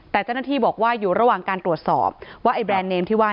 แต่เจ้าหน้าที่บอกว่าอยู่ระหว่างการตรวจสอบว่าไอ้แบรนด์เนมที่ว่า